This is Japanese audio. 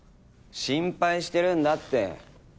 心配してるんだって。